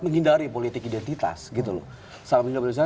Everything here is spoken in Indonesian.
menghindari politik identitas gitu loh